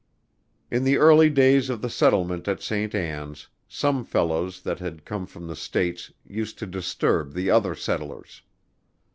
In the early days of the settlement at St. Ann's, some fellows that had come from the States used to disturb the other settlers.